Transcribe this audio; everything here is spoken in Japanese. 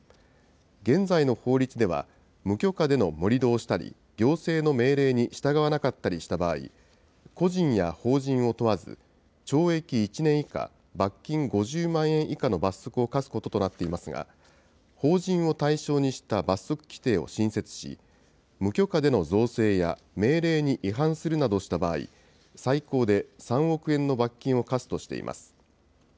現在の法律では、無許可での盛り土をしたり、行政の命令に従わなかったりした場合、個人や法人を問わず、懲役１年以下罰金５０万円以下の罰則を科すこととなっていますが、法人を対象にした罰則規定を新設し、無許可での造成や命令に違反するなどした場合、最高で３億円の罰金を科すとしています。